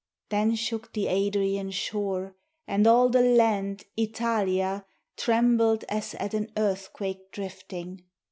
Then shook the Adrian shore, and all the land Italia trembled as at an earthquake drifting.